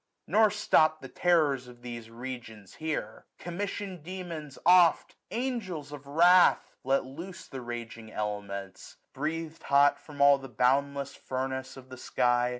Nor stop the terrors of these regions here* Commissioned demons oft, angels of wrath ! 969 Let loose the raging elements. Breath'd hot. From all the boundless furnace of the sky.